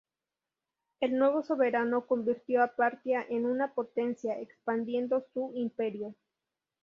El nuevo soberano convirtió a Partia en una potencia, expandiendo su imperio.